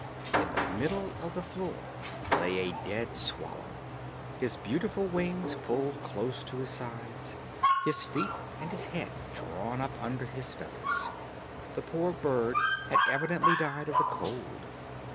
In the middle of the floor lay a dead swallow, his beautiful wings pulled close to his sides, his feet and his head drawn up under his feathers; the poor bird had evidently died of the cold.